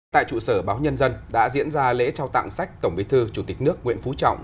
tại trụ sở báo nhân dân đã diễn ra lễ trao tặng sách tổng bí thư chủ tịch nước nguyễn phú trọng